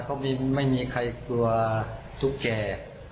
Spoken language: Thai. ก็ไม่มีใครกลัวตุ๊กแก่